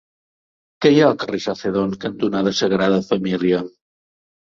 Què hi ha al carrer Sacedón cantonada Sagrada Família?